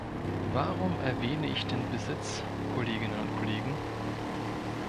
Warum erwähne ich den Besitz, Kolleginnen und Kollegen?